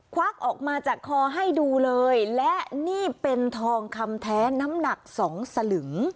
วักออกมาจากคอให้ดูเลยและนี่เป็นทองคำแท้น้ำหนักสองสลึง